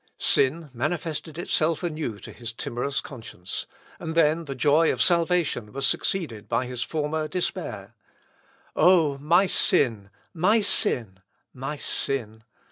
Sin manifested itself anew to his timorous conscience, and then the joy of salvation was succeeded by his former despair. "O my sin! my sin! my sin!"